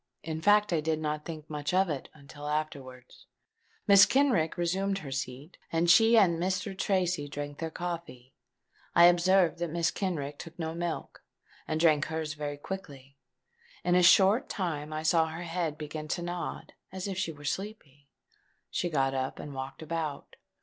In fact I did not think much of it, until afterwards. Mrs. Kenrick resumed her seat; and she and Mr. Tracy drank their coffee. I observed that Mrs. Kenrick took no milk, and drank hers very quickly. In a short time I saw her head begin to nod as if she was sleepy: she got up, and walked about.